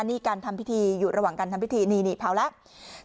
นี่การทำพิธีอยู่ระหว่างการทำพิธีนี่เผาแล้ว